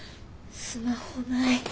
スマホない。